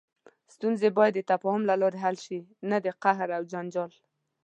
ستونزې باید د تفاهم له لارې حل شي، نه د قهر او جنجال.